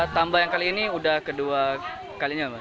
tambah yang kali ini udah kedua kalinya